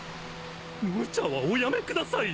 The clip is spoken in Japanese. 無茶はおやめください。